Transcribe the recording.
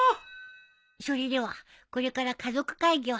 それではこれから家族会議を始めたいと思います。